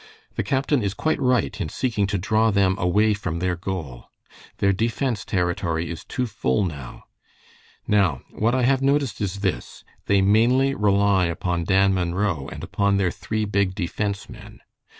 The captain is quite right in seeking to draw them away from their goal. Their defense territory is too full now. Now, what I have noticed is this, they mainly rely upon Dan Munro and upon their three big defense men.